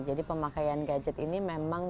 jadi pemakaian gadget ini memang